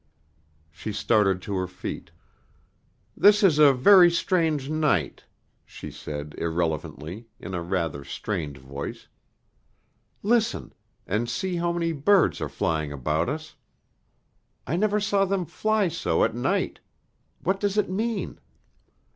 She started to her feet. "This is a very strange night," she said irrelevantly, in a rather strained voice. "Listen, and see how many birds are flying about us; I never saw them fly so at night. What does it mean?"